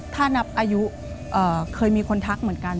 ถ้านับอายุเคยมีคนทักเหมือนกัน